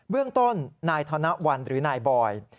เบื้องต้นนายธนวรรณ์หรือนายบอยร์